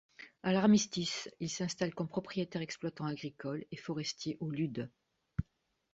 À l'armistice, il s'installe comme propriétaire exploitant agricole et forestier au Lude.